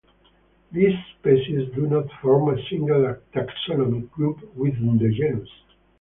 These species do not form a single taxonomic group within the genus.